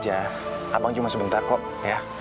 aja abang cuma sebentar kok ya